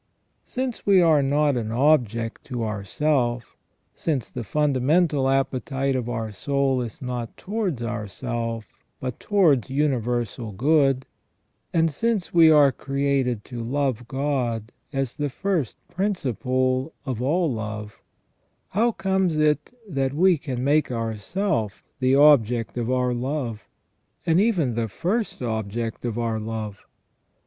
* Since we are not an object to ourself ; since the fundamental appetite of our soul is not towards ourself, but towards universal good ; and since we are created to love God as the first principle of all love ; how comes it that we can make ourself the object of our love, and even the first object of our love.